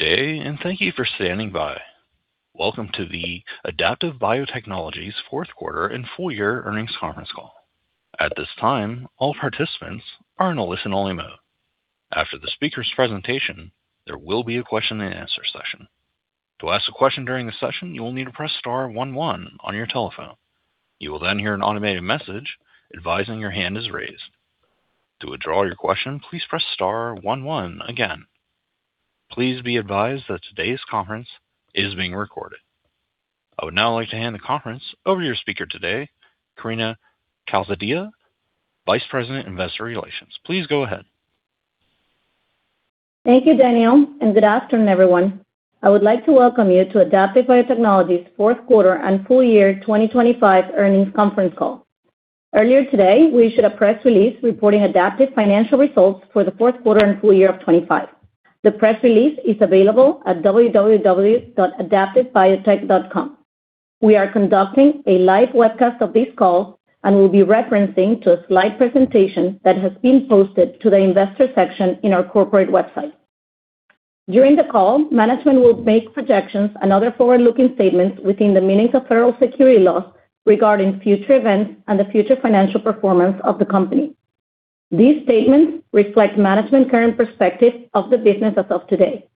Today, and thank you for standing by. Welcome to the Adaptive Biotechnologies' Fourth Quarter and Full Year Earnings Conference Call. At this time, all participants are in a listen-only mode. After the speaker's presentation, there will be a question-and-answer session. To ask a question during the session, you will need to press star one one on your telephone. You will then hear an automated message advising your hand is raised. To withdraw your question, please press star one one again. Please be advised that today's conference is being recorded. I would now like to hand the conference over to your speaker today, Karina Calzadilla, Vice President, Investor Relations. Please go ahead. Thank you, Danielle, and good afternoon, everyone. I would like to welcome you to Adaptive Biotechnologies Fourth Quarter and Full Year 2025 Earnings Conference Call. Earlier today, we issued a press release reporting Adaptive financial results for the fourth quarter and full year of 2025. The press release is available at www.adaptivebiotech.com. We are conducting a live webcast of this call and will be referencing to a slide presentation that has been posted to the Investor section in our corporate website. During the call, management will make projections and other forward-looking statements within the meanings of federal securities laws regarding future events and the future financial performance of the company. These statements reflect management's current perspective of the business as of today.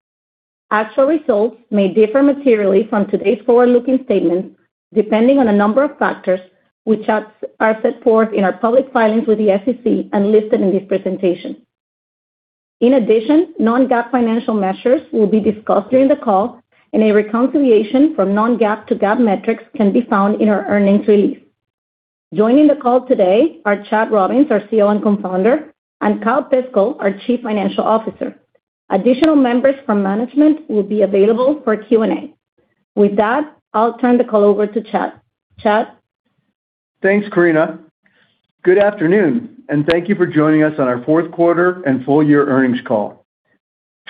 Actual results may differ materially from today's forward-looking statements depending on a number of factors which are set forth in our public filings with the SEC and listed in this presentation. In addition, non-GAAP financial measures will be discussed during the call, and a reconciliation from non-GAAP to GAAP metrics can be found in our earnings release. Joining the call today are Chad Robins, our CEO and Co-Founder, and Kyle Piskel, our Chief Financial Officer. Additional members from management will be available for Q&A. With that, I'll turn the call over to Chad. Chad? Thanks, Karina. Good afternoon, and thank you for joining us on our fourth-quarter and full-year earnings call.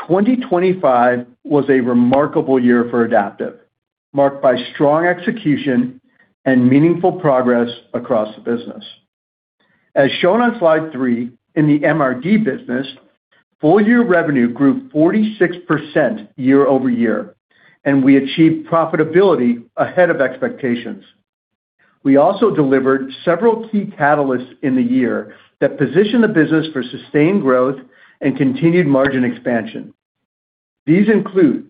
2025 was a remarkable year for Adaptive, marked by strong execution and meaningful progress across the business. As shown on Slide 3, in the MRD business, full-year revenue grew 46% year-over-year, and we achieved profitability ahead of expectations. We also delivered several key catalysts in the year that positioned the business for sustained growth and continued margin expansion. These include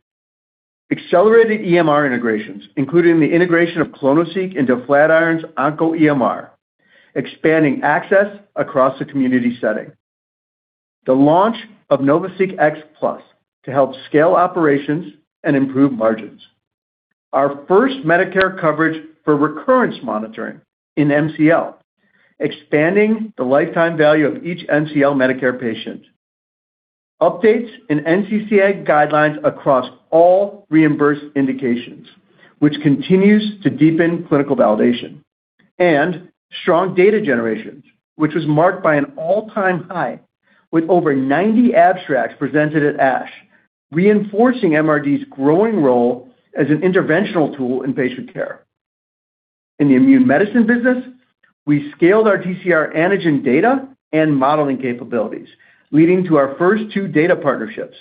accelerated EMR integrations, including the integration of clonoSEQ into Flatiron's OncoEMR, expanding access across the community setting, the launch of NovaSeq X Plus to help scale operations and improve margins, our first Medicare coverage for recurrence monitoring in MCL, expanding the lifetime value of each MCL Medicare patient, updates in NCCN guidelines across all reimbursed indications, which continues to deepen clinical validation, and strong data generations, which was marked by an all-time high with over 90 abstracts presented at ASH, reinforcing MRD's growing role as an interventional tool in patient care. In the Immune Medicine business, we scaled our TCR antigen data and modeling capabilities, leading to our first two data partnerships,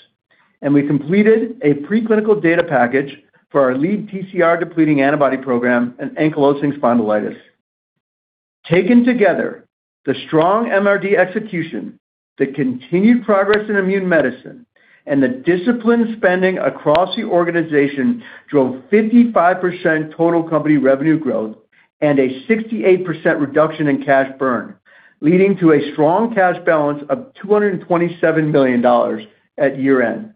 and we completed a preclinical data package for our lead TCR-depleting antibody program in ankylosing spondylitis. Taken together, the strong MRD execution, the continued progress in immune medicine, and the disciplined spending across the organization drove 55% total company revenue growth and a 68% reduction in cash burn, leading to a strong cash balance of $227 million at year-end.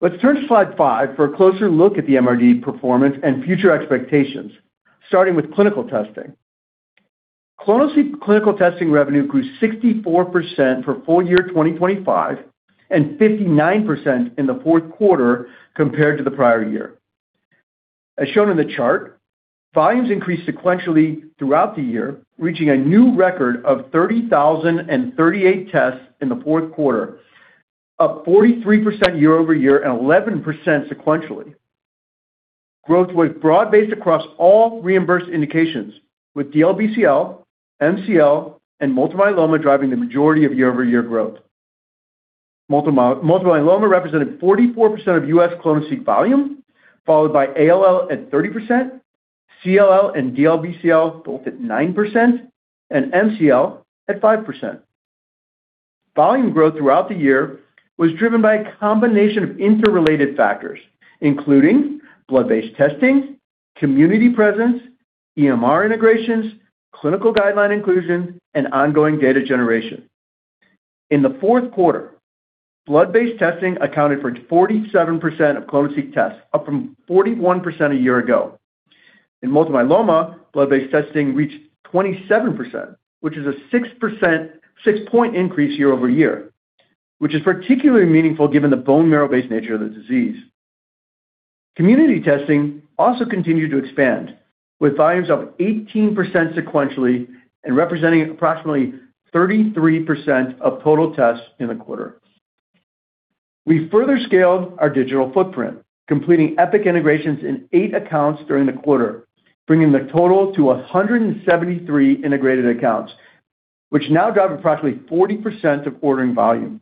Let's turn to Slide 5 for a closer look at the MRD performance and future expectations, starting with clinical testing. clonoSEQ clinical testing revenue grew 64% for full year 2025 and 59% in the fourth quarter compared to the prior year. As shown in the chart, volumes increased sequentially throughout the year, reaching a new record of 30,038 tests in the fourth quarter, up 43% year-over-year and 11% sequentially. Growth was broad-based across all reimbursed indications, with DLBCL, MCL, and multiple myeloma driving the majority of year-over-year growth. Multiple myeloma represented 44% of U.S. clonoSEQ volume, followed by ALL at 30%, CLL and DLBCL both at 9%, and MCL at 5%. Volume growth throughout the year was driven by a combination of interrelated factors, including blood-based testing, community presence, EMR integrations, clinical guideline inclusion, and ongoing data generation. In the fourth quarter, blood-based testing accounted for 47% of clonoSEQ tests, up from 41% a year ago. In multiple myeloma, blood-based testing reached 27%, which is a 6-point increase year-over-year, which is particularly meaningful given the bone marrow-based nature of the disease. Community testing also continued to expand, with volumes up 18% sequentially and representing approximately 33% of total tests in the quarter. We further scaled our digital footprint, completing Epic integrations in eight accounts during the quarter, bringing the total to 173 integrated accounts, which now drive approximately 40% of ordering volume.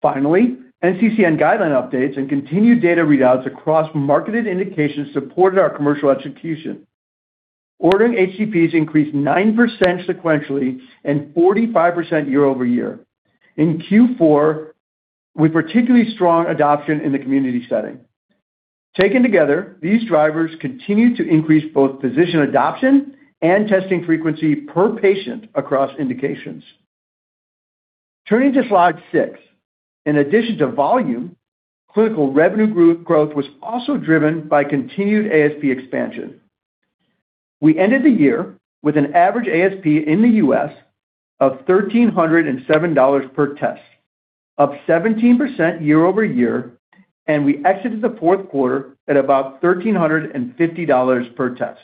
Finally, NCCN guideline updates and continued data readouts across marketed indications supported our commercial execution. Ordering HCPs increased 9% sequentially and 45% year-over-year, in Q4 with particularly strong adoption in the community setting. Taken together, these drivers continued to increase both physician adoption and testing frequency per patient across indications. Turning to Slide 6, in addition to volume, clinical revenue growth was also driven by continued ASP expansion. We ended the year with an average ASP in the U.S. of $1,307 per test, up 17% year-over-year, and we exited the fourth quarter at about $1,350 per test.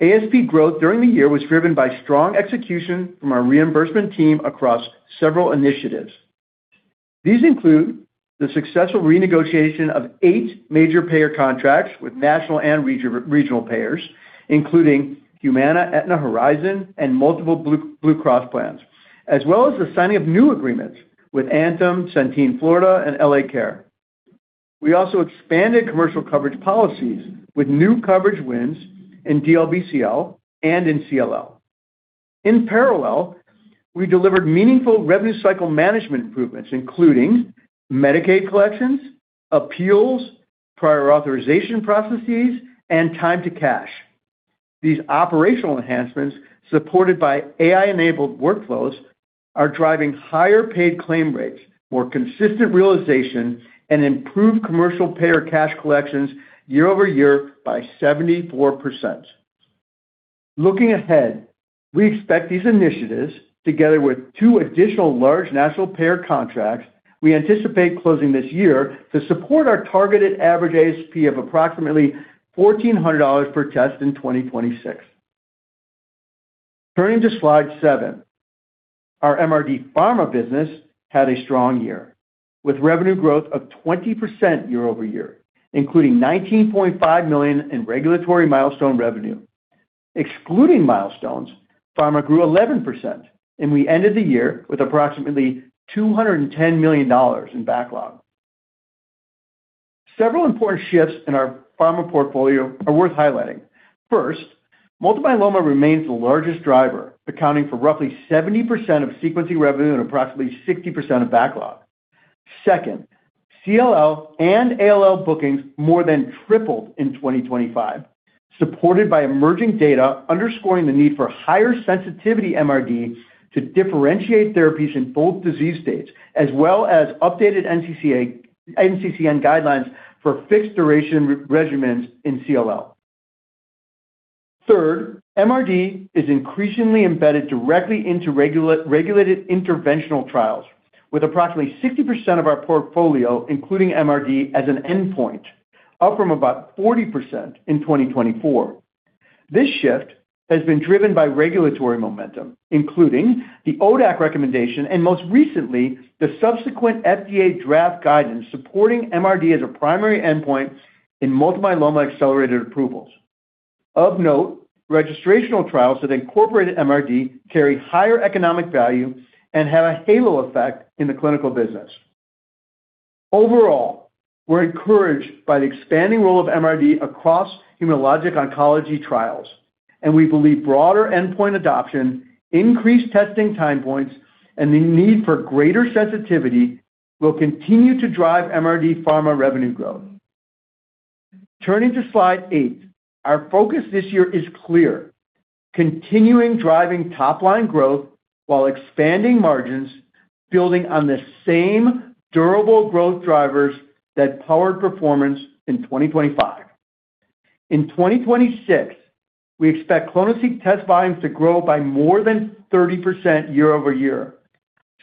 ASP growth during the year was driven by strong execution from our reimbursement team across several initiatives. These include the successful renegotiation of eight major payer contracts with national and regional payers, including Humana, Aetna, Horizon, and multiple Blue Cross plans, as well as the signing of new agreements with Anthem, Centene, Florida, and L.A. Care. We also expanded commercial coverage policies with new coverage wins in DLBCL and in CLL. In parallel, we delivered meaningful revenue cycle management improvements, including Medicaid collections, appeals, prior authorization processes, and time to cash. These operational enhancements, supported by AI-enabled workflows, are driving higher paid claim rates, more consistent realization, and improved commercial payer cash collections year-over-year by 74%. Looking ahead, we expect these initiatives, together with two additional large national payer contracts we anticipate closing this year to support our targeted average ASP of approximately $1,400 per test in 2026. Turning to Slide 7, our MRD pharma business had a strong year, with revenue growth of 20% year-over-year, including $19.5 million in regulatory milestone revenue. Excluding milestones, pharma grew 11%, and we ended the year with approximately $210 million in backlog. Several important shifts in our pharma portfolio are worth highlighting. First, multiple myeloma remains the largest driver, accounting for roughly 70% of sequencing revenue and approximately 60% of backlog. Second, CLL and ALL bookings more than tripled in 2025, supported by emerging data underscoring the need for higher sensitivity MRD to differentiate therapies in both disease states, as well as updated NCCN guidelines for fixed-duration regimens in CLL. Third, MRD is increasingly embedded directly into regulated interventional trials, with approximately 60% of our portfolio, including MRD, as an endpoint, up from about 40% in 2024. This shift has been driven by regulatory momentum, including the ODAC recommendation and, most recently, the subsequent FDA draft guidance supporting MRD as a primary endpoint in multiple myeloma accelerated approvals. Of note, registrational trials that incorporate MRD carry higher economic value and have a halo effect in the clinical business. Overall, we're encouraged by the expanding role of MRD across hematologic oncology trials, and we believe broader endpoint adoption, increased testing time points, and the need for greater sensitivity will continue to drive MRD pharma revenue growth. Turning to Slide 8, our focus this year is clear: continuing driving top-line growth while expanding margins, building on the same durable growth drivers that powered performance in 2025. In 2026, we expect clonoSEQ test volumes to grow by more than 30% year-over-year,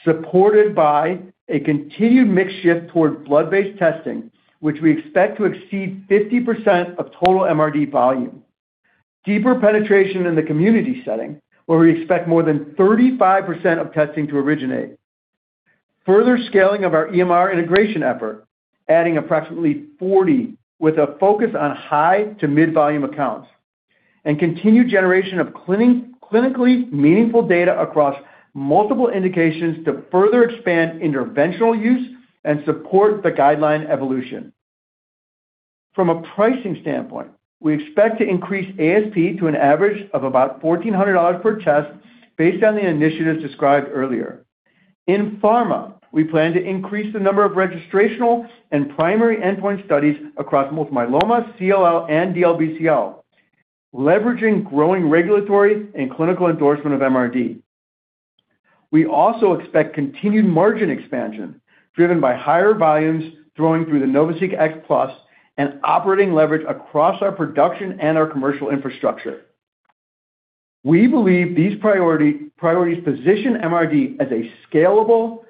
supported by a continued mix shift toward blood-based testing, which we expect to exceed 50% of total MRD volume, deeper penetration in the community setting, where we expect more than 35% of testing to originate, further scaling of our EMR integration effort, adding approximately 40 with a focus on high to mid-volume accounts, and continued generation of clinically meaningful data across multiple indications to further expand interventional use and support the guideline evolution. From a pricing standpoint, we expect to increase ASP to an average of about $1,400 per test based on the initiatives described earlier. In pharma, we plan to increase the number of registrational and primary endpoint studies across multiple myeloma, CLL, and DLBCL, leveraging growing regulatory and clinical endorsement of MRD. We also expect continued margin expansion, driven by higher volumes flowing through the NovaSeq X Plus and operating leverage across our production and our commercial infrastructure. We believe these priorities position MRD as a scalable,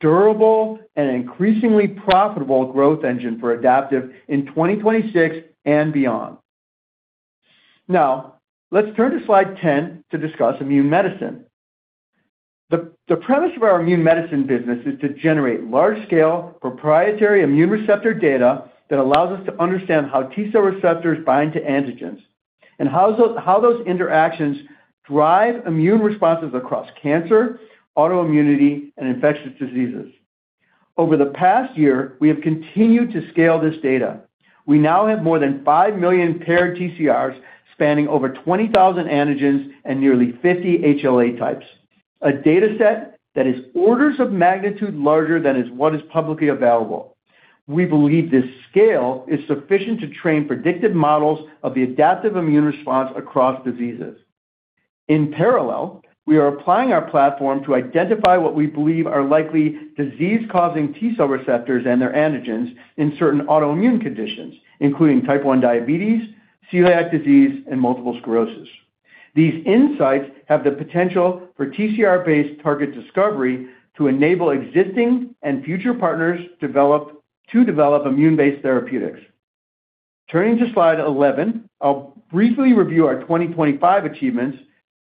durable, and increasingly profitable growth engine for Adaptive in 2026 and beyond. Now, let's turn to Slide 10 to discuss Immune Medicine. The premise of our Immune Medicine business is to generate large-scale, proprietary immune receptor data that allows us to understand how T-cell receptors bind to antigens and how those interactions drive immune responses across cancer, autoimmunity, and infectious diseases. Over the past year, we have continued to scale this data. We now have more than 5 million paired TCRs spanning over 20,000 antigens and nearly 50 HLA types, a dataset that is orders of magnitude larger than what is publicly available. We believe this scale is sufficient to train predictive models of the adaptive immune response across diseases. In parallel, we are applying our platform to identify what we believe are likely disease-causing T-cell receptors and their antigens in certain autoimmune conditions, including type 1 diabetes, celiac disease, and multiple sclerosis. These insights have the potential for TCR-based target discovery to enable existing and future partners to develop immune-based therapeutics. Turning to Slide 11, I'll briefly review our 2025 achievements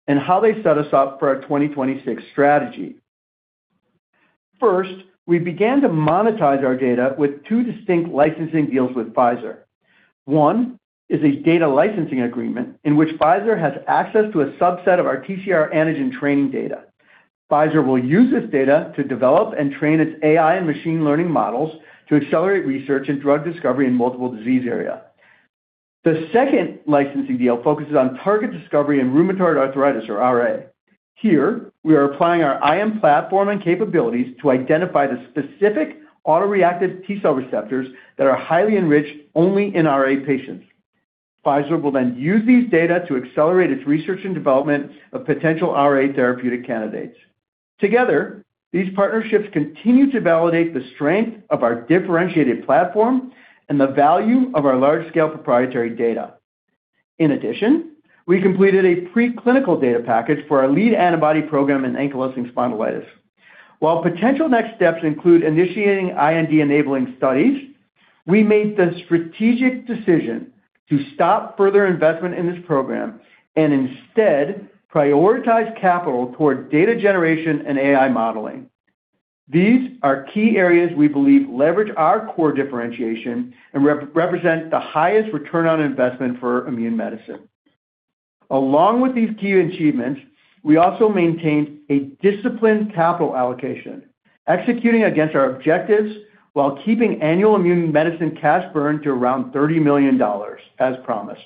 and how they set us up for our 2026 strategy. First, we began to monetize our data with two distinct licensing deals with Pfizer. One is a data licensing agreement in which Pfizer has access to a subset of our TCR antigen training data. Pfizer will use this data to develop and train its AI and machine learning models to accelerate research and drug discovery in multiple disease areas. The second licensing deal focuses on target discovery in rheumatoid arthritis, or RA. Here, we are applying our IM platform and capabilities to identify the specific autoreactive T-cell receptors that are highly enriched only in RA patients. Pfizer will then use these data to accelerate its research and development of potential RA therapeutic candidates. Together, these partnerships continue to validate the strength of our differentiated platform and the value of our large-scale proprietary data. In addition, we completed a preclinical data package for our lead antibody program in ankylosing spondylitis. While potential next steps include initiating IND-enabling studies, we made the strategic decision to stop further investment in this program and instead prioritize capital toward data generation and AI modeling. These are key areas we believe leverage our core differentiation and represent the highest return on investment for immune medicine. Along with these key achievements, we also maintained a disciplined capital allocation, executing against our objectives while keeping annual Immune Medicine cash burn to around $30 million, as promised.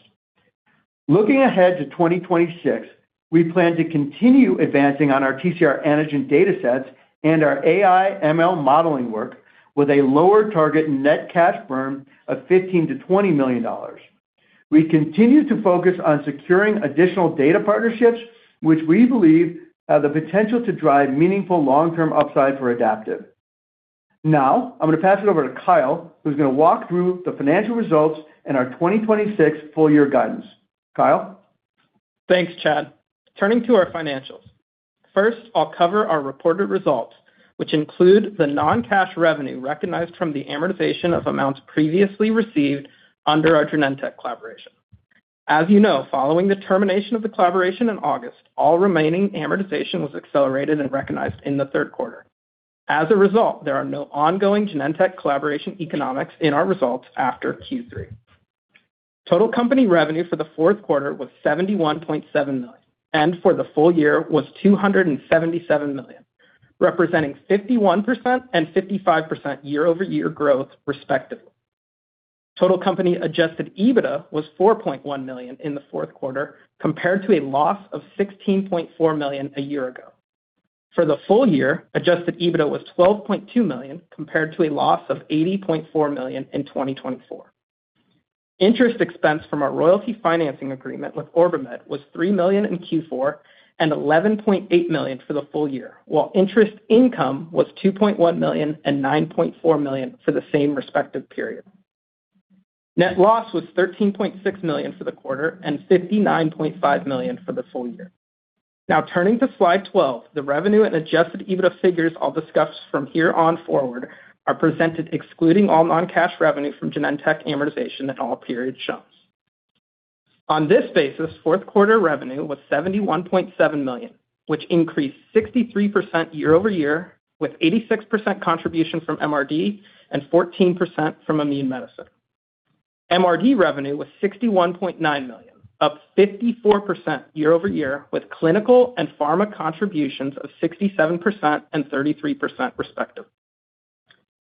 Looking ahead to 2026, we plan to continue advancing on our TCR antigen datasets and our AI/ML modeling work with a lower target net cash burn of $15 millon-$20 million. We continue to focus on securing additional data partnerships, which we believe have the potential to drive meaningful long-term upside for Adaptive. Now, I'm going to pass it over to Kyle, who's going to walk through the financial results and our 2026 full-year guidance. Kyle. Thanks, Chad. Turning to our financials. First, I'll cover our reported results, which include the non-cash revenue recognized from the amortization of amounts previously received under our Genentech collaboration. As you know, following the termination of the collaboration in August, all remaining amortization was accelerated and recognized in the third quarter. As a result, there are no ongoing Genentech collaboration economics in our results after Q3. Total company revenue for the fourth quarter was $71.7 million, and for the full year was $277 million, representing 51% and 55% year-over-year growth, respectively. Total company adjusted EBITDA was $4.1 million in the fourth quarter, compared to a loss of $16.4 million a year ago. For the full year, adjusted EBITDA was $12.2 million, compared to a loss of $80.4 million in 2024. Interest expense from our royalty financing agreement with OrbiMed was $3 million in Q4 and $11.8 million for the full year, while interest income was $2.1 million and $9.4 million for the same respective period. Net loss was $13.6 million for the quarter and $59.5 million for the full year. Now, turning to Slide 12, the revenue and adjusted EBITDA figures I'll discuss from here on forward are presented excluding all non-cash revenue from Genentech amortization in all periods shown. On this basis, fourth quarter revenue was $71.7 million, which increased 63% year-over-year with 86% contribution from MRD and 14% from immune medicine. MRD revenue was $61.9 million, up 54% year-over-year with clinical and pharma contributions of 67% and 33%, respectively.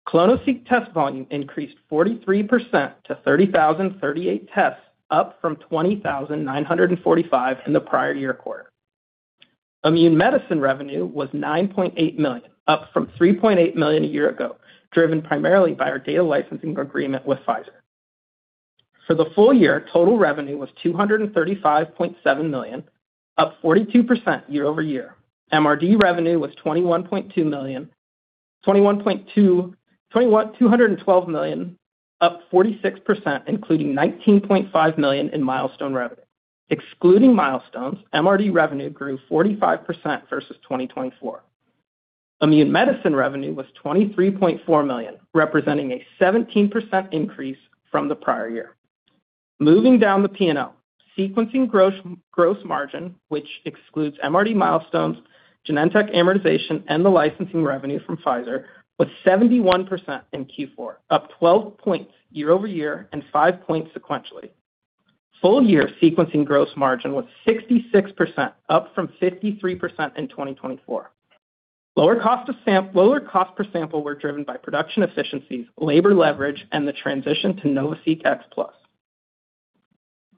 clonoSEQ test volume increased 43% to 30,038 tests, up from 20,945 in the prior year quarter. Immune Medicine revenue was $9.8 million, up from $3.8 million a year ago, driven primarily by our data licensing agreement with Pfizer. For the full year, total revenue was $235.7 million, up 42% year-over-year. MRD revenue was $21.212 million, up 46%, including $19.5 million in milestone revenue. Excluding milestones, MRD revenue grew 45% versus 2024. Immune Medicine revenue was $23.4 million, representing a 17% increase from the prior year. Moving down the P&L, sequencing gross margin, which excludes MRD milestones, Genentech amortization, and the licensing revenue from Pfizer, was 71% in Q4, up 12 points year-over-year and 5 points sequentially. Full-year sequencing gross margin was 66%, up from 53% in 2024. Lower cost per sample were driven by production efficiencies, labor leverage, and the transition to NovaSeq X Plus.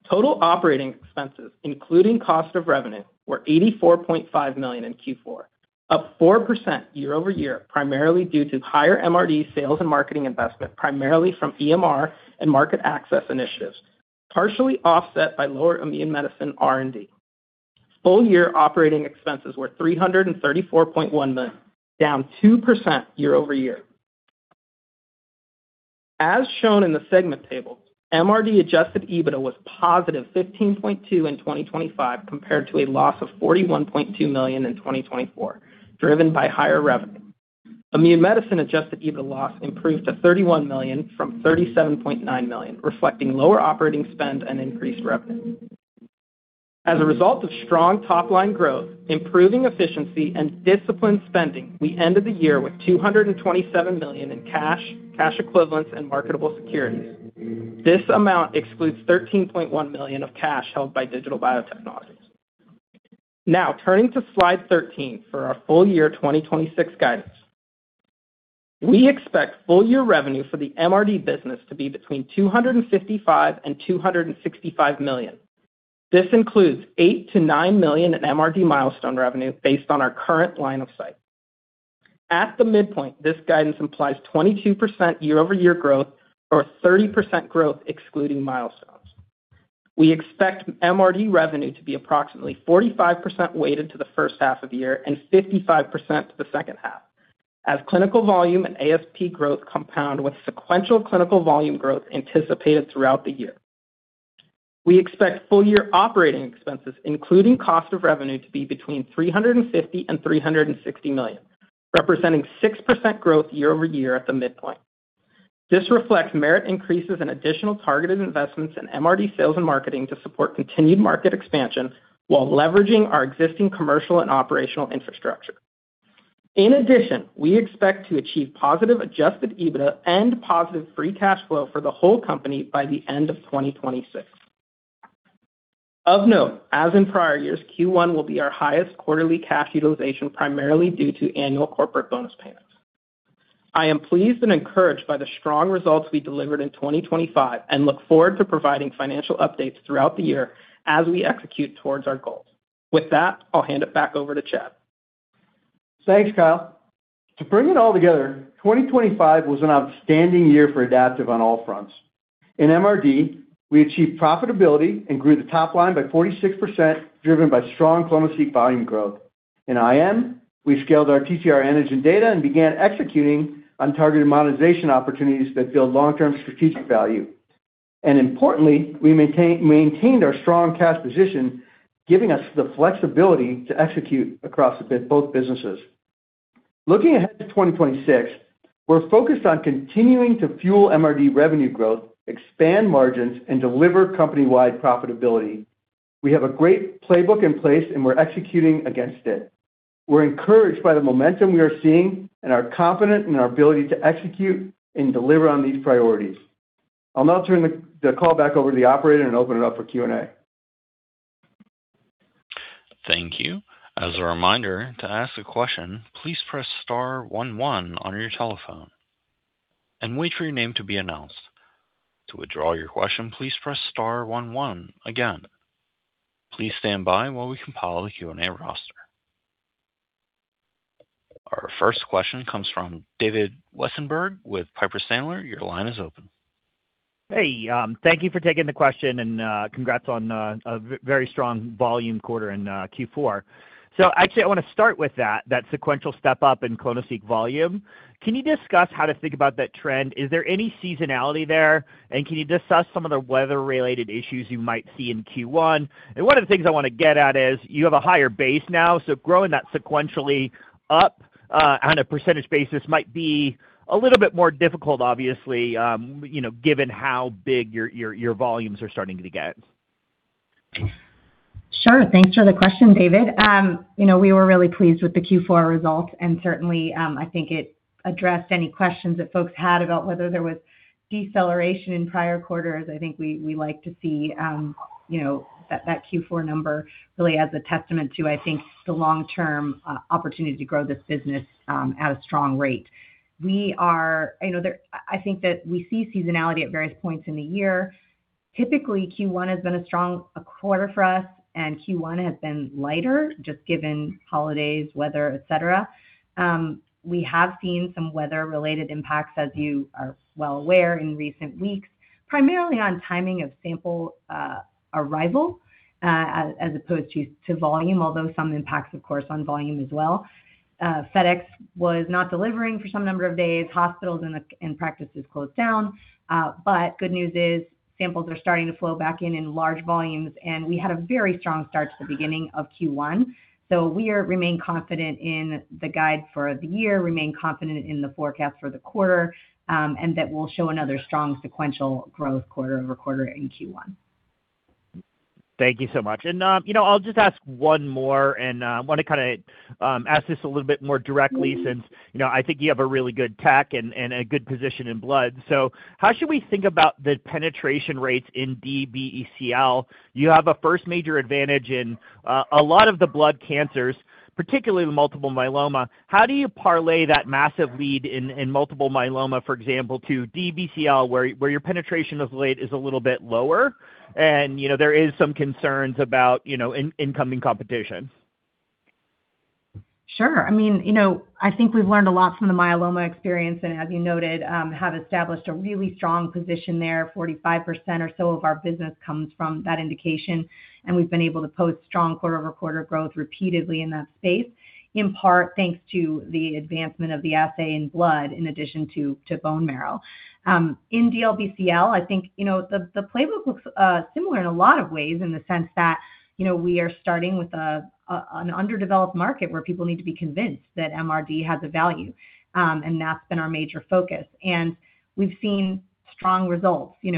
Total operating expenses, including cost of revenue, were $84.5 million in Q4, up 4% year-over-year, primarily due to higher MRD sales and marketing investment, primarily from EMR and market access initiatives, partially offset by lower immune medicine R&D. Full-year operating expenses were $334.1 million, down 2% year-over-year. As shown in the segment table, MRD adjusted EBITDA was positive $15.2 million in 2025 compared to a loss of $41.2 million in 2024, driven by higher revenue. Immune medicine adjusted EBITDA loss improved to $31 million from $37.9 million, reflecting lower operating spend and increased revenue. As a result of strong top-line growth, improving efficiency, and disciplined spending, we ended the year with $227 million in cash, cash equivalents, and marketable securities. This amount excludes $13.1 million of cash held by Digital Biotechnologies. Now, turning to Slide 13 for our full-year 2026 guidance. We expect full-year revenue for the MRD business to be between $255 million-$265 million. This includes $8 million-$9 million in MRD milestone revenue based on our current line of sight. At the midpoint, this guidance implies 22% year-over-year growth or 30% growth excluding milestones. We expect MRD revenue to be approximately 45% weighted to the first half of the year and 55% to the second half, as clinical volume and ASP growth compound with sequential clinical volume growth anticipated throughout the year. We expect full-year operating expenses, including cost of revenue, to be between $350-$360 million, representing 6% year-over-year growth at the midpoint. This reflects merit increases and additional targeted investments in MRD sales and marketing to support continued market expansion while leveraging our existing commercial and operational infrastructure. In addition, we expect to achieve positive adjusted EBITDA and positive free cash flow for the whole company by the end of 2026. Of note, as in prior years, Q1 will be our highest quarterly cash utilization, primarily due to annual corporate bonus payments. I am pleased and encouraged by the strong results we delivered in 2025 and look forward to providing financial updates throughout the year as we execute towards our goals. With that, I'll hand it back over to Chad. Thanks, Kyle. To bring it all together, 2025 was an outstanding year for Adaptive on all fronts. In MRD, we achieved profitability and grew the top line by 46%, driven by strong clonoSEQ volume growth. In IM, we scaled our TCR antigen data and began executing on targeted monetization opportunities that build long-term strategic value. And importantly, we maintained our strong cash position, giving us the flexibility to execute across both businesses. Looking ahead to 2026, we're focused on continuing to fuel MRD revenue growth, expand margins, and deliver company-wide profitability. We have a great playbook in place, and we're executing against it. We're encouraged by the momentum we are seeing and are confident in our ability to execute and deliver on these priorities. I'll now turn the call back over to the operator and open it up for Q&A. Thank you. As a reminder, to ask a question, please press star one one on your telephone and wait for your name to be announced. To withdraw your question, please press star one one again. Please stand by while we compile the Q&A roster. Our first question comes from David Westenberg with Piper Sandler. Your line is open. Hey, thank you for taking the question, and congrats on a very strong volume quarter in Q4. So actually, I want to start with that sequential step up in clonoSEQ volume. Can you discuss how to think about that trend? Is there any seasonality there, and can you discuss some of the weather-related issues you might see in Q1? And one of the things I want to get at is you have a higher base now, so growing that sequentially up on a percentage basis might be a little bit more difficult, obviously, given how big your volumes are starting to get. Sure. Thanks for the question, David. We were really pleased with the Q4 results, and certainly, I think it addressed any questions that folks had about whether there was deceleration in prior quarters. I think we like to see that Q4 number really as a testament to, I think, the long-term opportunity to grow this business at a strong rate. I think that we see seasonality at various points in the year. Typically, Q1 has been a strong quarter for us, and Q1 has been lighter, just given holidays, weather, etc. We have seen some weather-related impacts, as you are well aware, in recent weeks, primarily on timing of sample arrival as opposed to volume, although some impacts, of course, on volume as well. FedEx was not delivering for some number of days. Hospitals and practices closed down. Good news is samples are starting to flow back in in large volumes, and we had a very strong start to the beginning of Q1. We remain confident in the guide for the year, remain confident in the forecast for the quarter, and that we'll show another strong sequential growth quarter-over-quarter in Q1. Thank you so much. And I'll just ask one more, and I want to kind of ask this a little bit more directly since I think you have a really good tech and a good position in blood. So how should we think about the penetration rates in DLBCL? You have a first major advantage in a lot of the blood cancers, particularly the multiple myeloma. How do you parlay that massive lead in multiple myeloma, for example, to DLBCL, where your penetration is a little bit lower? And there are some concerns about incoming competition. Sure. I mean, I think we've learned a lot from the myeloma experience and, as you noted, have established a really strong position there. 45% or so of our business comes from that indication, and we've been able to post strong quarter-over-quarter growth repeatedly in that space, in part thanks to the advancement of the assay in blood in addition to bone marrow. In DLBCL, I think the playbook looks similar in a lot of ways in the sense that we are starting with an underdeveloped market where people need to be convinced that MRD has a value, and that's been our major focus. And we've seen strong results. In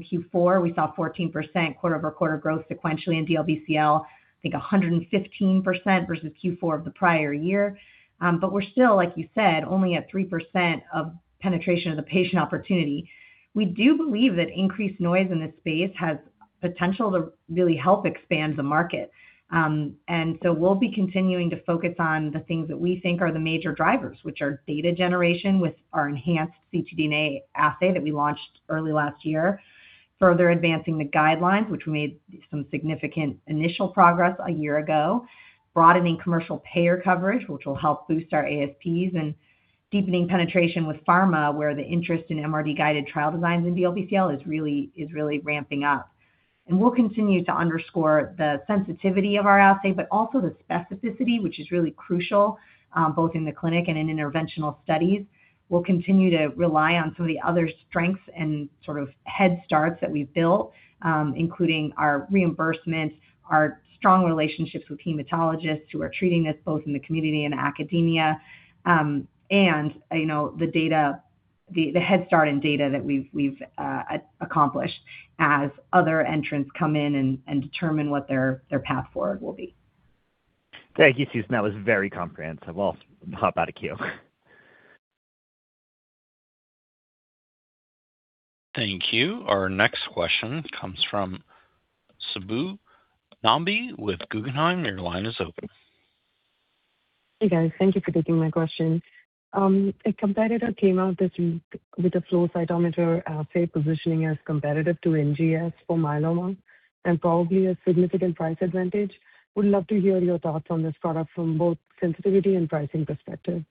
Q4, we saw 14% quarter-over-quarter growth sequentially in DLBCL, I think 115% versus Q4 of the prior year. But we're still, like you said, only at 3% of penetration of the patient opportunity. We do believe that increased noise in this space has potential to really help expand the market. And so we'll be continuing to focus on the things that we think are the major drivers, which are data generation with our enhanced ctDNA assay that we launched early last year, further advancing the guidelines, which we made some significant initial progress a year ago, broadening commercial payer coverage, which will help boost our ASPs, and deepening penetration with pharma, where the interest in MRD-guided trial designs in DLBCL is really ramping up. And we'll continue to underscore the sensitivity of our assay, but also the specificity, which is really crucial both in the clinic and in interventional studies. We'll continue to rely on some of the other strengths and sort of head starts that we've built, including our reimbursement, our strong relationships with hematologists who are treating this both in the community and academia, and the head start in data that we've accomplished as other entrants come in and determine what their path forward will be. Thank you, Susan. That was very comprehensive. I'll hop out of queue. Thank you. Our next question comes from Subbu Nambi with Guggenheim. Your line is open. Hey, guys. Thank you for taking my question. A competitor came out this week with a flow cytometry assay positioning as competitive to NGS for myeloma and probably a significant price advantage. Would love to hear your thoughts on this product from both sensitivity and pricing perspective.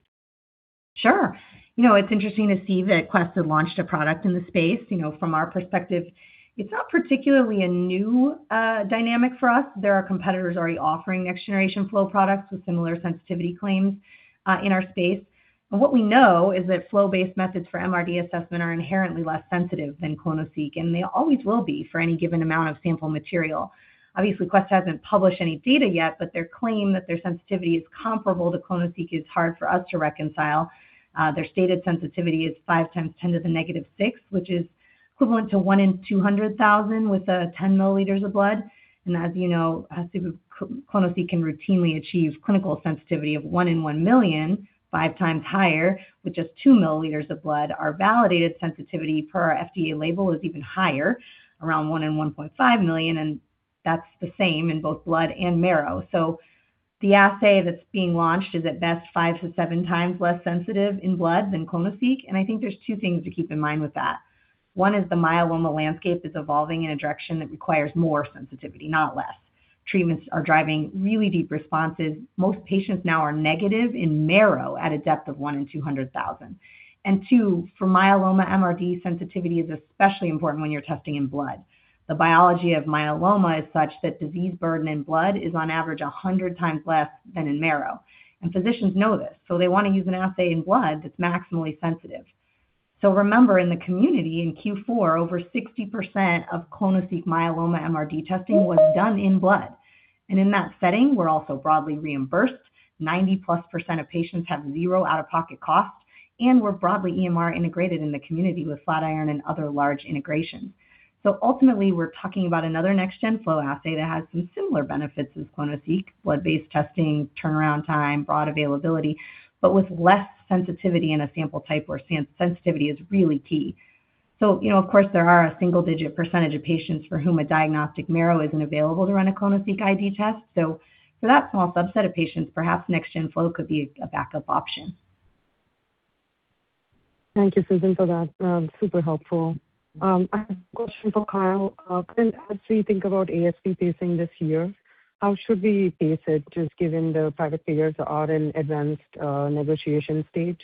Sure. It's interesting to see that Quest had launched a product in the space. From our perspective, it's not particularly a new dynamic for us. There are competitors already offering next-generation flow products with similar sensitivity claims in our space. But what we know is that flow-based methods for MRD assessment are inherently less sensitive than clonoSEQ, and they always will be for any given amount of sample material. Obviously, Quest hasn't published any data yet, but their claim that their sensitivity is comparable to clonoSEQ is hard for us to reconcile. Their stated sensitivity is 5 times 10 to the negative 6, which is equivalent to 1 in 200,000 with 10 mL of blood. And as you know, clonoSEQ can routinely achieve clinical sensitivity of 1 in 1 million, five times higher, with just 2 mL of blood. Our validated sensitivity per our FDA label is even higher, around 1 in 1.5 million, and that's the same in both blood and marrow. So the assay that's being launched is at best 5-7 times less sensitive in blood than clonoSEQ. And I think there's two things to keep in mind with that. One is the myeloma landscape is evolving in a direction that requires more sensitivity, not less. Treatments are driving really deep responses. Most patients now are negative in marrow at a depth of 1 in 200,000. And two, for myeloma, MRD sensitivity is especially important when you're testing in blood. The biology of myeloma is such that disease burden in blood is on average 100 times less than in marrow. And physicians know this. So they want to use an assay in blood that's maximally sensitive. So remember, in the community, in Q4, over 60% of clonoSEQ myeloma MRD testing was done in blood. And in that setting, we're also broadly reimbursed. 90+% of patients have zero out-of-pocket cost, and we're broadly EMR integrated in the community with Flatiron and other large integrations. So ultimately, we're talking about another next-gen flow assay that has some similar benefits as clonoSEQ: blood-based testing, turnaround time, broad availability, but with less sensitivity in a sample type where sensitivity is really key. So of course, there are a single-digit percentage of patients for whom a diagnostic marrow isn't available to run a clonoSEQ ID test. So for that small subset of patients, perhaps next-gen flow could be a backup option. Thank you, Susan, for that. Super helpful. I have a question for Kyle. As we think about ASP pacing this year, how should we pace it, just given the private payers are in an advanced negotiation stage?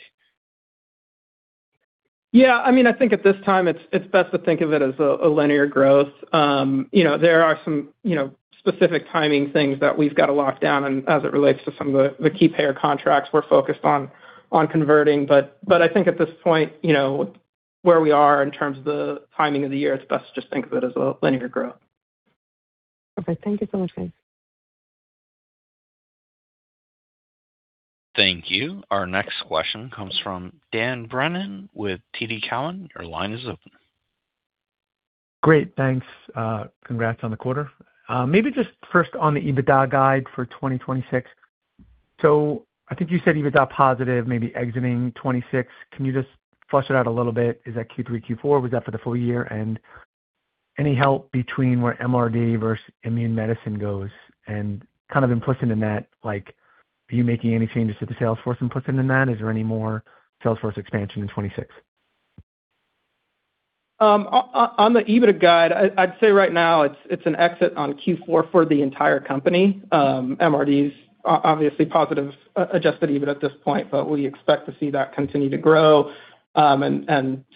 Yeah, I mean, I think at this time, it's best to think of it as a linear growth. There are some specific timing things that we've got to lock down. As it relates to some of the key payer contracts, we're focused on converting. But I think at this point, where we are in terms of the timing of the year, it's best to just think of it as a linear growth. Perfect. Thank you so much, guys. Thank you. Our next question comes from Dan Brennan with TD Cowen. Your line is open. Great. Thanks. Congrats on the quarter. Maybe just first on the EBITDA guide for 2026. So I think you said EBITDA positive, maybe exiting 2026. Can you just flesh it out a little bit? Is that Q3, Q4? Was that for the full year? And any help between where MRD versus immune medicine goes? And kind of implicit in that, are you making any changes to the sales force implicit in that? Is there any more sales force expansion in 2026? On the EBITDA guide, I'd say right now, it's an exit on Q4 for the entire company. MRD is obviously positive, adjusted EBITDA at this point, but we expect to see that continue to grow. Some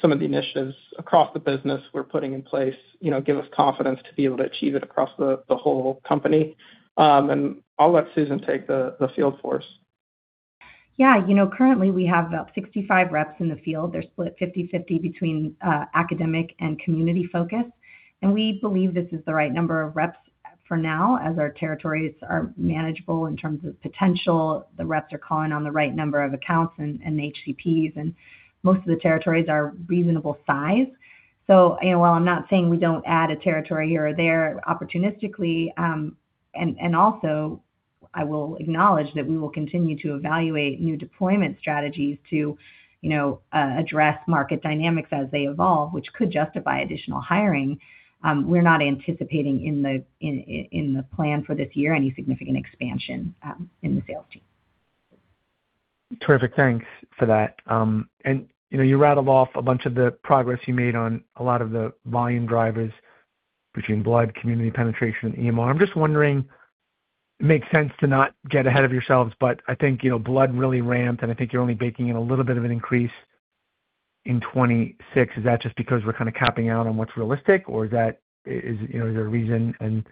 of the initiatives across the business we're putting in place give us confidence to be able to achieve it across the whole company. I'll let Susan take the field for us. Yeah. Currently, we have about 65 reps in the field. They're split 50/50 between academic and community focus. We believe this is the right number of reps for now as our territories are manageable in terms of potential. The reps are calling on the right number of accounts and HCPs, and most of the territories are reasonable size. So while I'm not saying we don't add a territory here or there opportunistically, and also, I will acknowledge that we will continue to evaluate new deployment strategies to address market dynamics as they evolve, which could justify additional hiring. We're not anticipating in the plan for this year any significant expansion in the sales team. Terrific. Thanks for that. And you rattled off a bunch of the progress you made on a lot of the volume drivers between blood, community penetration, and EMR. I'm just wondering, it makes sense to not get ahead of yourselves, but I think blood really ramped, and I think you're only baking in a little bit of an increase in 2026. Is that just because we're kind of capping out on what's realistic, or is there a reason? And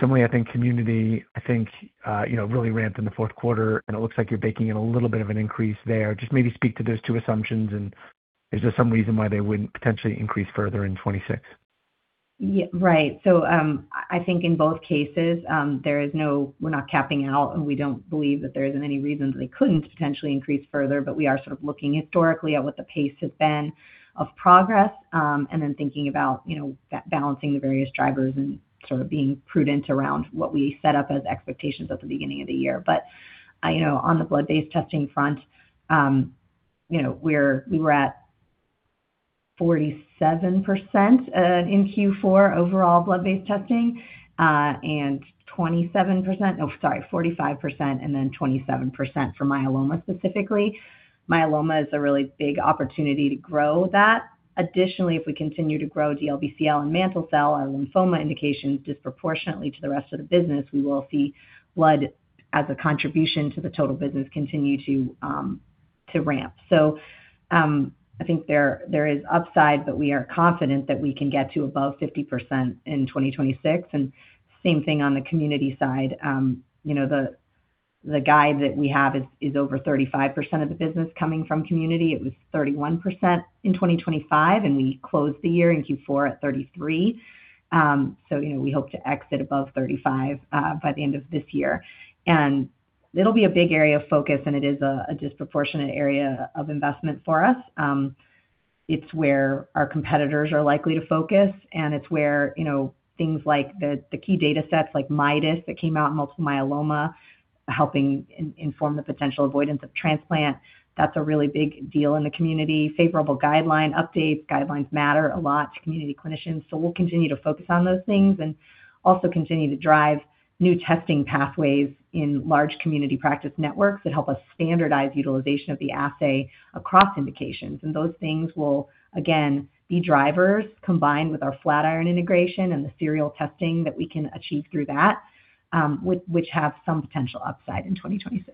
similarly, I think community, I think, really ramped in the fourth quarter, and it looks like you're baking in a little bit of an increase there. Just maybe speak to those two assumptions, and is there some reason why they wouldn't potentially increase further in 2026? Right. So I think in both cases, we're not capping out, and we don't believe that there isn't any reason they couldn't potentially increase further. But we are sort of looking historically at what the pace has been of progress and then thinking about balancing the various drivers and sort of being prudent around what we set up as expectations at the beginning of the year. But on the blood-based testing front, we were at 47% in Q4 overall blood-based testing and 27% oh, sorry, 45% and then 27% for myeloma specifically. Myeloma is a really big opportunity to grow that. Additionally, if we continue to grow DLBCL and mantle cell or lymphoma indications disproportionately to the rest of the business, we will see blood as a contribution to the total business continue to ramp. So I think there is upside, but we are confident that we can get to above 50% in 2026. And same thing on the community side. The guide that we have is over 35% of the business coming from community. It was 31% in 2025, and we closed the year in Q4 at 33%. So we hope to exit above 35% by the end of this year. And it'll be a big area of focus, and it is a disproportionate area of investment for us. It's where our competitors are likely to focus, and it's where things like the key datasets like MIDAS that came out in multiple myeloma, helping inform the potential avoidance of transplant, that's a really big deal in the community. Favorable guideline updates, guidelines matter a lot to community clinicians. We'll continue to focus on those things and also continue to drive new testing pathways in large community practice networks that help us standardize utilization of the assay across indications. Those things will, again, be drivers combined with our Flatiron integration and the serial testing that we can achieve through that, which have some potential upside in 2026.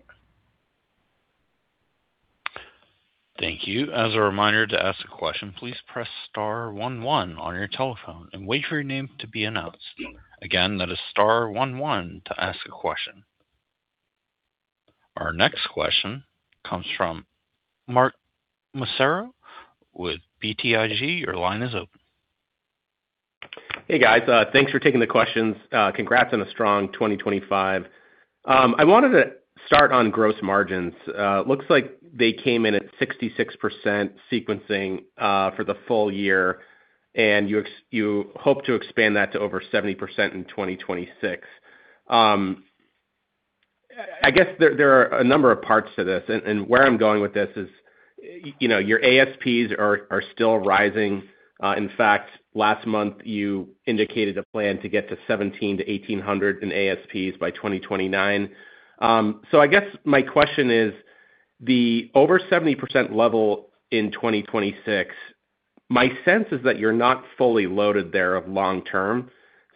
Thank you. As a reminder to ask a question, please press star one one on your telephone and wait for your name to be announced. Again, that is star one one to ask a question. Our next question comes from Mark Massaro with BTIG. Your line is open. Hey, guys. Thanks for taking the questions. Congrats on a strong 2025. I wanted to start on gross margins. Looks like they came in at 66% sequencing for the full year, and you hope to expand that to over 70% in 2026. I guess there are a number of parts to this. And where I'm going with this is your ASPs are still rising. In fact, last month, you indicated a plan to get to $1,700-$1,800 in ASPs by 2029. So I guess my question is, the over 70% level in 2026, my sense is that you're not fully loaded there of long term.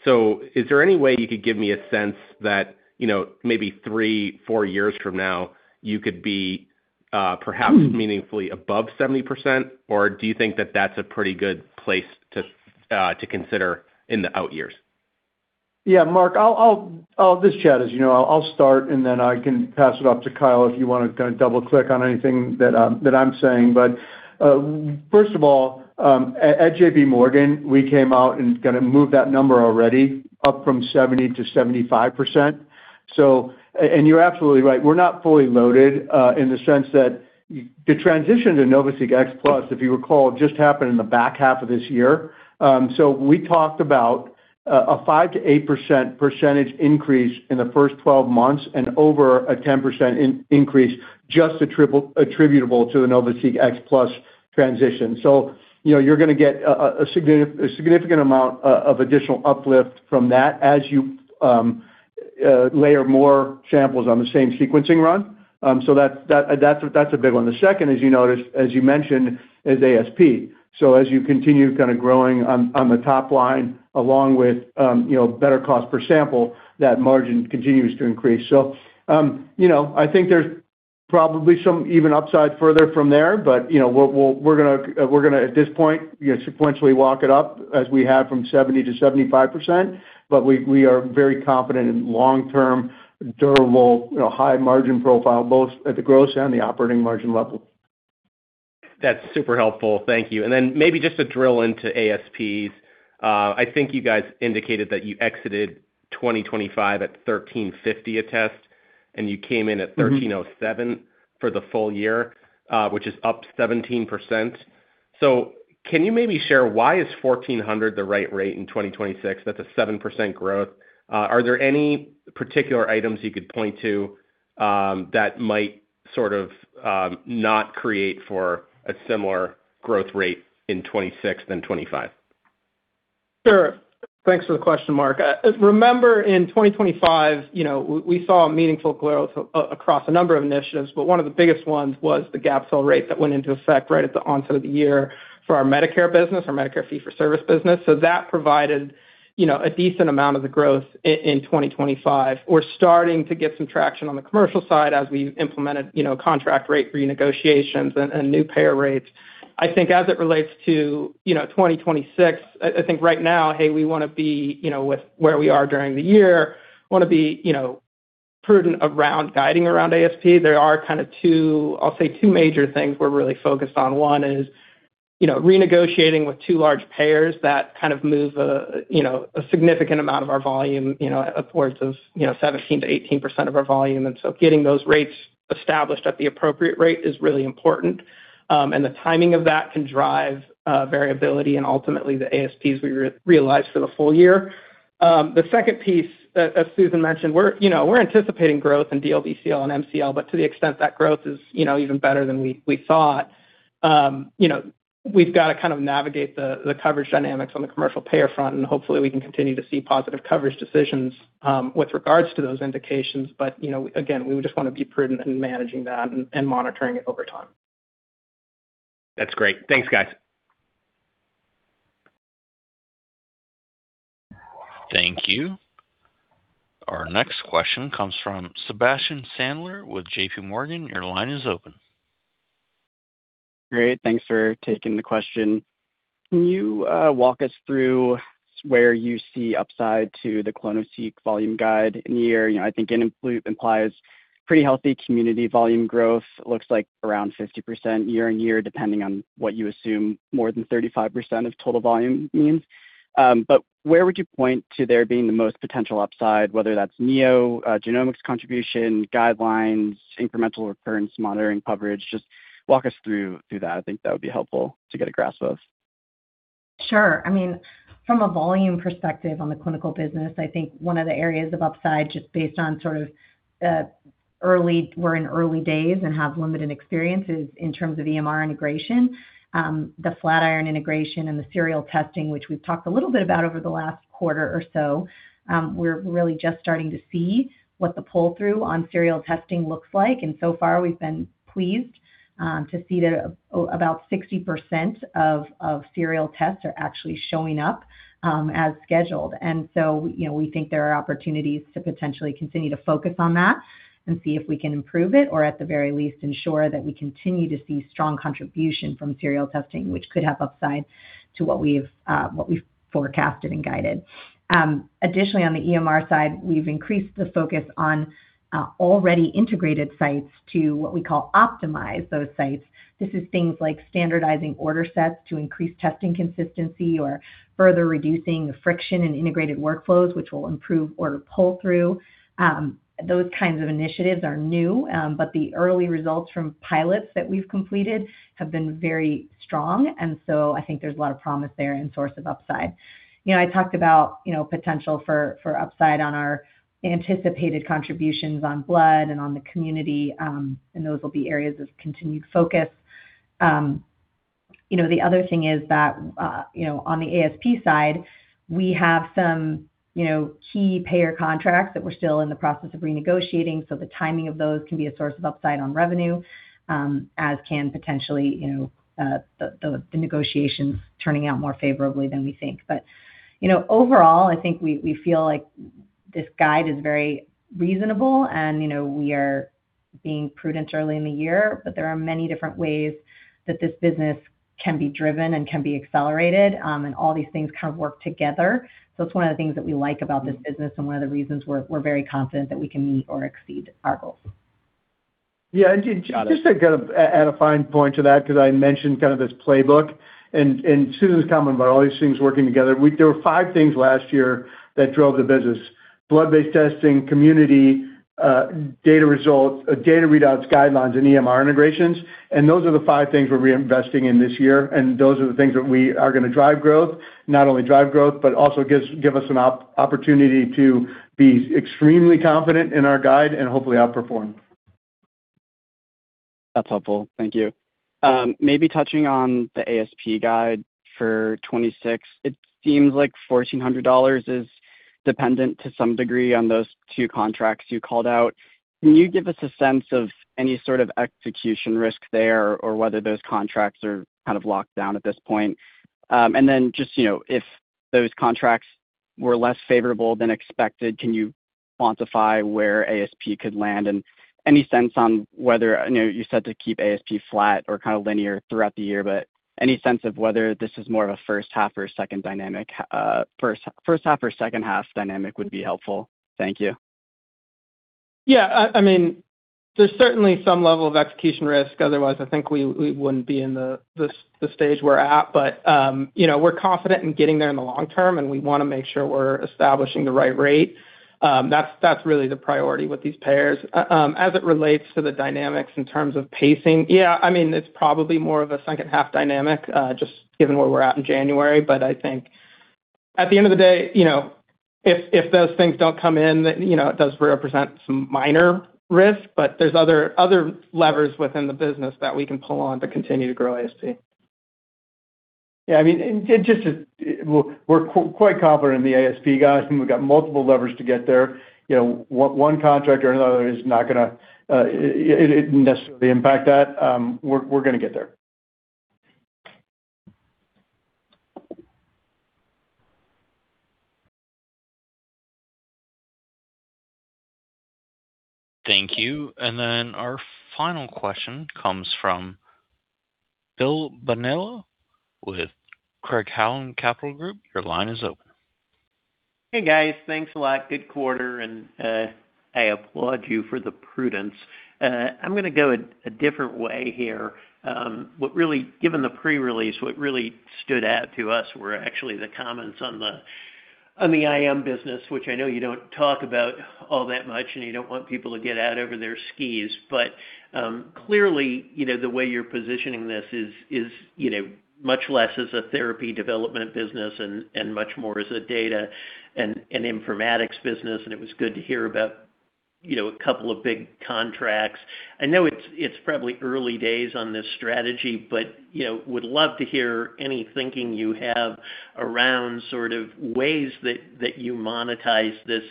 So is there any way you could give me a sense that maybe three, four years from now, you could be perhaps meaningfully above 70%, or do you think that that's a pretty good place to consider in the out years? Yeah, Mark. This chat, as you know, I'll start, and then I can pass it off to Kyle if you want to kind of double-click on anything that I'm saying. But first of all, at JPMorgan, we came out and kind of moved that number already up from 70% to 75%. And you're absolutely right. We're not fully loaded in the sense that the transition to NovaSeq X Plus, if you recall, just happened in the back half of this year. So we talked about a 5%-8% percentage increase in the first 12 months and over a 10% increase just attributable to the NovaSeq X Plus transition. So you're going to get a significant amount of additional uplift from that as you layer more samples on the same sequencing run. So that's a big one. The second, as you noticed, as you mentioned, is ASP. So as you continue kind of growing on the top line along with better cost per sample, that margin continues to increase. So I think there's probably some even upside further from there, but we're going to, at this point, sequentially walk it up as we have from 70%-75%. But we are very confident in long-term, durable, high-margin profile, both at the gross and the operating margin level. That's super helpful. Thank you. And then maybe just to drill into ASPs, I think you guys indicated that you exited 2025 at $1,350 a test, and you came in at $1,307 for the full year, which is up 17%. So can you maybe share why is $1,400 the right rate in 2026? That's a 7% growth. Are there any particular items you could point to that might sort of not create for a similar growth rate in 2026 than 2025? Sure. Thanks for the question, Mark. Remember, in 2025, we saw meaningful growth across a number of initiatives, but one of the biggest ones was the Gapfill rate that went into effect right at the onset of the year for our Medicare business, our Medicare fee-for-service business. So that provided a decent amount of the growth in 2025. We're starting to get some traction on the commercial side as we implemented contract rate renegotiations and new payer rates. I think as it relates to 2026, I think right now, hey, we want to be with where we are during the year, want to be prudent around guiding around ASP. There are kind of two, I'll say, two major things we're really focused on. One is renegotiating with two large payers that kind of move a significant amount of our volume upwards of 17%-18% of our volume. Getting those rates established at the appropriate rate is really important. The timing of that can drive variability and ultimately the ASPs we realize for the full year. The second piece, as Susan mentioned, we're anticipating growth in DLBCL and MCL, but to the extent that growth is even better than we thought, we've got to kind of navigate the coverage dynamics on the commercial payer front, and hopefully, we can continue to see positive coverage decisions with regards to those indications. Again, we would just want to be prudent in managing that and monitoring it over time. That's great. Thanks, guys. Thank you. Our next question comes from Sebastian Sandler with JPMorgan. Your line is open. Great. Thanks for taking the question. Can you walk us through where you see upside to the clonoSEQ volume guide in the year? I think it implies pretty healthy community volume growth, looks like around 50% year-over-year, depending on what you assume more than 35% of total volume means. But where would you point to there being the most potential upside, whether that's NeoGenomics contribution, guidelines, incremental recurrence monitoring coverage? Just walk us through that. I think that would be helpful to get a grasp of. Sure. I mean, from a volume perspective on the clinical business, I think one of the areas of upside just based on sort of early, we're in early days and have limited experiences in terms of EMR integration. The Flatiron integration and the serial testing, which we've talked a little bit about over the last quarter or so, we're really just starting to see what the pull-through on serial testing looks like. And so far, we've been pleased to see that about 60% of serial tests are actually showing up as scheduled. And so we think there are opportunities to potentially continue to focus on that and see if we can improve it or at the very least ensure that we continue to see strong contribution from serial testing, which could have upside to what we've forecasted and guided. Additionally, on the EMR side, we've increased the focus on already integrated sites to what we call optimize those sites. This is things like standardizing order sets to increase testing consistency or further reducing the friction in integrated workflows, which will improve order pull-through. Those kinds of initiatives are new, but the early results from pilots that we've completed have been very strong. And so I think there's a lot of promise there and source of upside. I talked about potential for upside on our anticipated contributions on blood and on the community, and those will be areas of continued focus. The other thing is that on the ASP side, we have some key payer contracts that we're still in the process of renegotiating. So the timing of those can be a source of upside on revenue, as can potentially the negotiations turning out more favorably than we think. Overall, I think we feel like this guide is very reasonable, and we are being prudent early in the year. There are many different ways that this business can be driven and can be accelerated, and all these things kind of work together. It's one of the things that we like about this business and one of the reasons we're very confident that we can meet or exceed our goals. Yeah. And just to kind of add a fine point to that because I mentioned kind of this playbook and Susan's comment about all these things working together, there were five things last year that drove the business: blood-based testing, community, data results, data readouts, guidelines, and EMR integrations. And those are the five things we're reinvesting in this year. And those are the things that we are going to drive growth, not only drive growth, but also give us an opportunity to be extremely confident in our guide and hopefully outperform. That's helpful. Thank you. Maybe touching on the ASP guide for 2026, it seems like $1,400 is dependent to some degree on those two contracts you called out. Can you give us a sense of any sort of execution risk there or whether those contracts are kind of locked down at this point? And then just if those contracts were less favorable than expected, can you quantify where ASP could land and any sense on whether you said to keep ASP flat or kind of linear throughout the year, but any sense of whether this is more of a first half or second half dynamic would be helpful? Thank you. Yeah. I mean, there's certainly some level of execution risk. Otherwise, I think we wouldn't be in the stage we're at. But we're confident in getting there in the long term, and we want to make sure we're establishing the right rate. That's really the priority with these payers. As it relates to the dynamics in terms of pacing, yeah, I mean, it's probably more of a second half dynamic just given where we're at in January. But I think at the end of the day, if those things don't come in, it does represent some minor risk. But there's other levers within the business that we can pull on to continue to grow ASP. Yeah. I mean, we're quite confident in the ASP guide, and we've got multiple levers to get there. One contract or another is not going to necessarily impact that. We're going to get there. Thank you. And then our final question comes from Bill Bonello with Craig-Hallum Capital Group. Your line is open. Hey, guys. Thanks a lot. Good quarter. I applaud you for the prudence. I'm going to go a different way here. Given the pre-release, what really stood out to us were actually the comments on the IM business, which I know you don't talk about all that much, and you don't want people to get out over their skis. But clearly, the way you're positioning this is much less as a therapy development business and much more as a data and informatics business. It was good to hear about a couple of big contracts. I know it's probably early days on this strategy, but would love to hear any thinking you have around sort of ways that you monetize this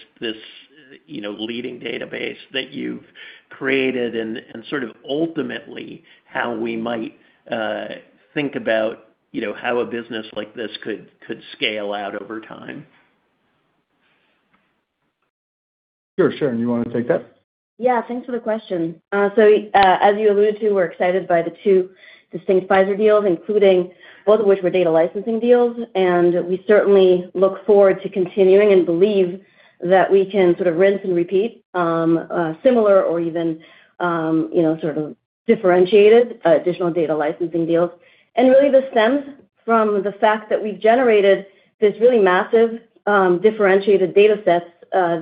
leading database that you've created and sort of ultimately how we might think about how a business like this could scale out over time. Sure, Sharon. You want to take that? Yeah. Thanks for the question. So as you alluded to, we're excited by the two distinct Pfizer deals, including both of which were data licensing deals. And we certainly look forward to continuing and believe that we can sort of rinse and repeat similar or even sort of differentiated additional data licensing deals. And really, this stems from the fact that we've generated this really massive differentiated dataset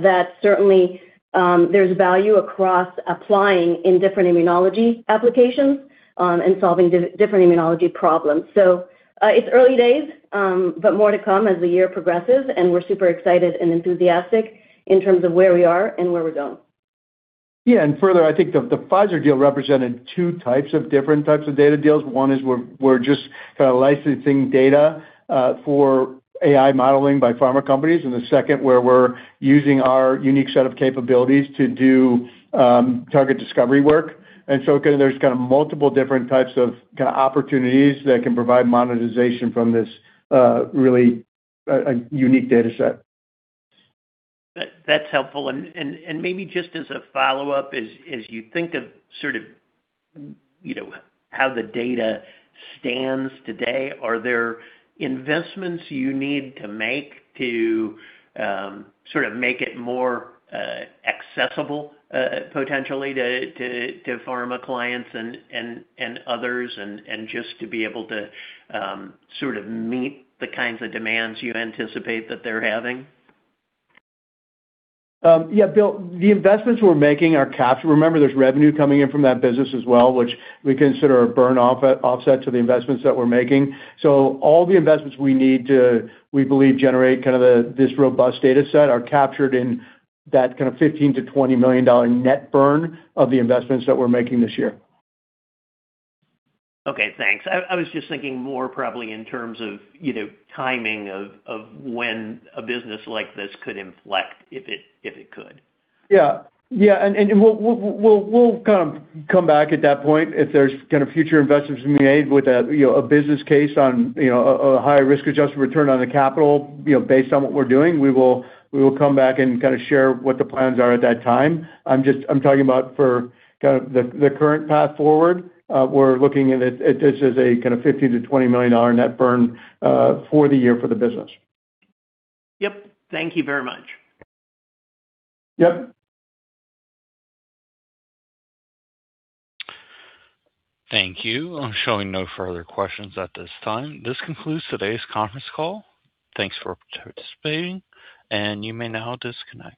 that certainly there's value across applying in different immunology applications and solving different immunology problems. So it's early days, but more to come as the year progresses. And we're super excited and enthusiastic in terms of where we are and where we're going. Yeah. And further, I think the Pfizer deal represented two types of different types of data deals. One is we're just kind of licensing data for AI modeling by pharma companies. And the second, where we're using our unique set of capabilities to do target discovery work. And so there's kind of multiple different types of kind of opportunities that can provide monetization from this really unique dataset. That's helpful. And maybe just as a follow-up, as you think of sort of how the data stands today, are there investments you need to make to sort of make it more accessible, potentially, to pharma clients and others and just to be able to sort of meet the kinds of demands you anticipate that they're having? Yeah, Bill, the investments we're making are captured. Remember, there's revenue coming in from that business as well, which we consider a burn offset to the investments that we're making. So all the investments we need to, we believe, generate kind of this robust dataset are captured in that kind of $15-$20 million net burn of the investments that we're making this year. Okay. Thanks. I was just thinking more probably in terms of timing of when a business like this could inflect if it could. Yeah. Yeah. And we'll kind of come back at that point. If there's kind of future investments we made with a business case on a higher risk-adjusted return on the capital based on what we're doing, we will come back and kind of share what the plans are at that time. I'm talking about for kind of the current path forward. We're looking at this as a kind of $15 million-$20 million net burn for the year for the business. Yep. Thank you very much. Yep. Thank you. I'm showing no further questions at this time. This concludes today's conference call. Thanks for participating, and you may now disconnect.